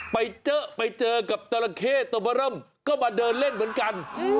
ไปเจอไปเจอกับตลเขตบรมก็มาเดินเล่นเหมือนกัน